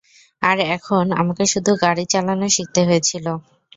আর এখন, আমাকে শুধু গাড়ি চালানো শিখতে হয়েছিল।